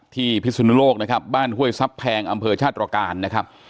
ที่พิศุนโลกนะครับบ้านห้วยทรัพย์แพงอำเภอชาติรการนะครับ